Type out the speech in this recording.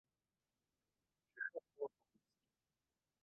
Všechny spolu souvisí.